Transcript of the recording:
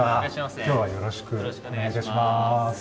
きょうはよろしくお願いいたします。